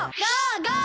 ゴー！